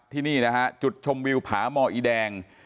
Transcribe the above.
ที่นี่นะฮะจุดชมวิวผาหมออีแดง